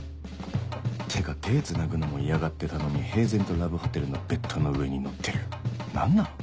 ってか手つなぐのも嫌がってたのに平然とラブホテルのベッドの上に乗ってる何なの？